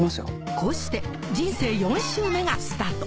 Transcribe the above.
こうして人生４周目がスタート